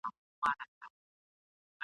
تعبیر مي کړی پر ښه شګون دی !.